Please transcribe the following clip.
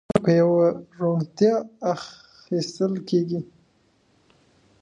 د کانکور ازموینه په پوره روڼتیا اخیستل کیږي.